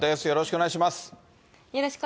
よろしくお願いします。